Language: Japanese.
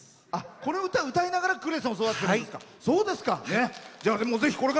これを歌いながらクレソンを育ててるんですか。